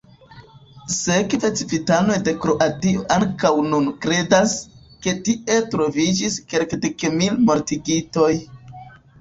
Sekve civitanoj de Kroatio ankaŭ nun kredas, ke tie troviĝis kelkdekmil mortigitoj.